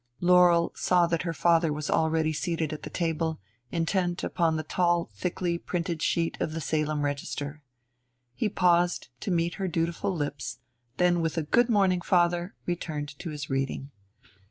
Laurel saw that her father was already seated at the table, intent upon the tall, thickly printed sheet of the Salem Register. He paused to meet her dutiful lips; then with a "Good morning, father," returned to his reading.